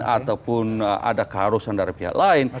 ataupun ada keharusan dari pihak lain